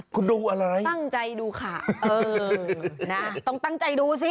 คุณดูอะไรตั้งใจดูค่ะเออนะต้องตั้งใจดูสิ